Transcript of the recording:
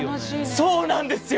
そうなんですよ！